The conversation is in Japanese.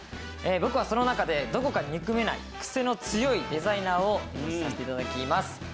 僕はその中でどこか憎めない癖の強いデザイナーを演じさせて頂きます。